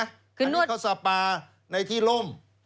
อันนี้เขาสปาในที่ล่ม